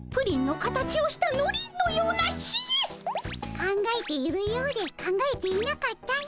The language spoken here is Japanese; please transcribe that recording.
考えているようで考えていなかったの。